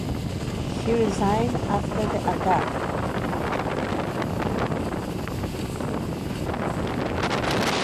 She resigned after the attack.